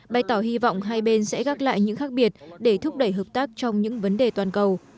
bày tỏ hy vọng hai bên sẽ gác lại những khác biệt để thúc đẩy hợp tác trong những vấn đề toàn cầu